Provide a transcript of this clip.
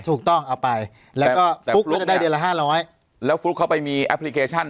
ถูกต้องเอาไปแล้วจะได้เดียวละห้าร้อยแล้วเขาไปมีแอปพลิเคชัน